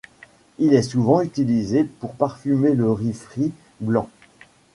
Il est souvent utilisé pour parfumer le riz frit blanc.